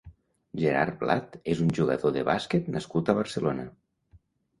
Gerard Blat és un jugador de bàsquet nascut a Barcelona.